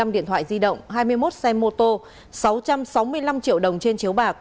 một mươi điện thoại di động hai mươi một xe mô tô sáu trăm sáu mươi năm triệu đồng trên chiếu bạc